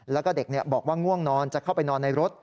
แล้วก็เด็กบอกว่าง่วงนอนจะเข้าไปนอนในรถ